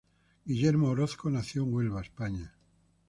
Guillermo Orozco nació en Huelva, España.